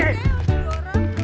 awas gua minggir